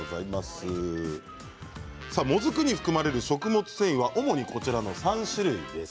もずくに含まれている食物繊維は主にこちらの３種類です。